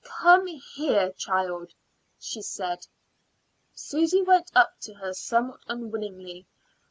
"Come here, child," she said. Susy went up to her somewhat unwillingly.